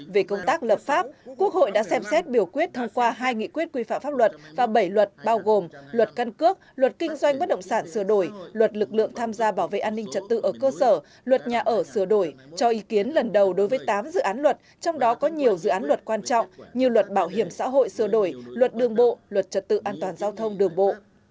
về công tác lập pháp quốc hội đã xem xét biểu quyết thông qua hai nghị quyết quy phạm pháp luật và bảy luật bao gồm luật căn cước luật kinh doanh bất động sản sửa đổi luật lực lượng tham gia bảo vệ an ninh trật tự ở cơ sở luật nhà ở sửa đổi cho ý kiến lần đầu đối với tám dự án luật trong đó có nhiều dự án luật quan trọng như luật bảo hiểm xã hội sửa đổi luật đường bộ luật trật tự an toàn giao thông đường bộ